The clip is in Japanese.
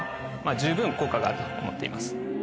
十分効果があると思っています。